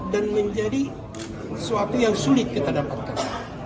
dan menjadi suatu yang sulit kita dapatkan